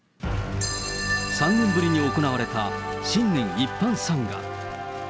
３年ぶりに行われた新年一般参賀。